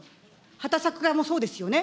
畑作側もそうですよね。